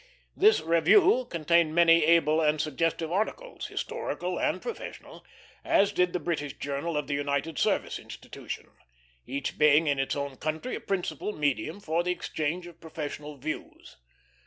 This Revue contained many able and suggestive articles, historical and professional, as did the British Journal of the United Service Institution; each being in its own country a principal medium for the exchange of professional views.